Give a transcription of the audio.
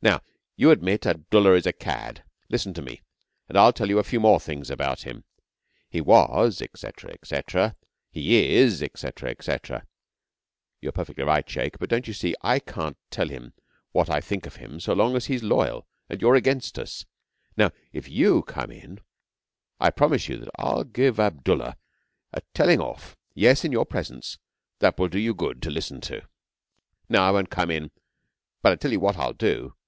Now, you admit Abdullah is a cad. Listen to me, and I'll tell you a few more things about him. He was, etc., etc. He is, etc., etc.' 'You're perfectly right, Sheikh, but don't you see I can't tell him what I think of him so long as he's loyal and you're out against us? Now, if you come in I promise you that I'll give Abdullah a telling off yes, in your presence that will do you good to listen to.' 'No! I won't come in! But I tell you what I will do.